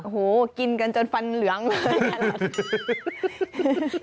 โอ้โหกินกันจนฟันเหลืองเลย